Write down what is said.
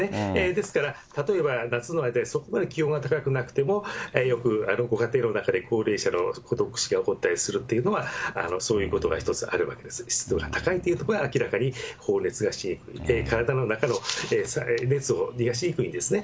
ですから、例えば夏の間、そこまで気温が高くなくても、よくご家庭の中で高齢者の孤独死が起こったりするというのは、そういうことが一つあるわけです、湿度が高いというところが明らかに放熱がしにくくて、体の中の熱を逃がしにくいんですね。